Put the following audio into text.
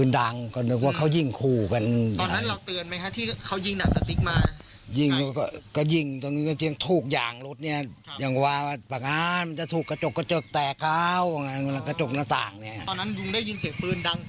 ตอนนั้นยุ่งได้ยินเสียงปืนดังกี่นัดครับ